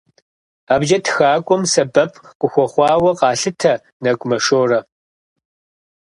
АбыкӀэ тхакӀуэм сэбэп къыхуэхъуауэ къалъытэ Нэгумэ Шорэ.